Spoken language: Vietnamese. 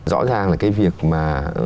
rõ ràng là cái việc mà